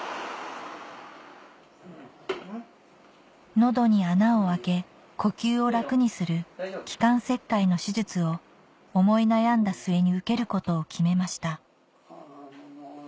喉に穴を開け呼吸を楽にする気管切開の手術を思い悩んだ末に受けることを決めました